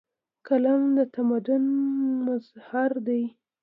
قلم د تمدن مظهر دی.